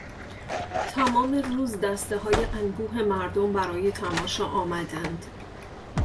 تمام روز دستههای انبوه مردم برای تماشا آمدند.